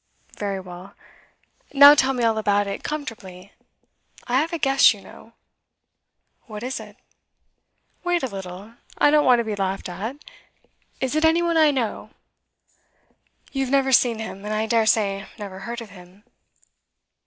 Very well. Now tell me all about it, comfortably. I have a guess, you know.' 'What is it?' 'Wait a little. I don't want to be laughed at. Is it any one I know?' 'You have never seen him, and I dare say never heard of him.